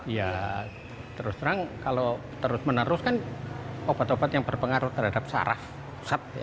ya terus terang kalau terus meneruskan obat obat yang berpengaruh terhadap sarap pusat